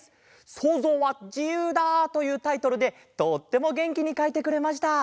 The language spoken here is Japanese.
「そうぞうはじゆうだ！」というタイトルでとってもげんきにかいてくれました。